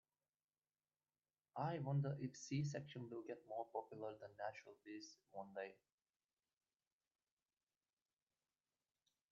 I wonder if C-sections will get more popular than natural births one day.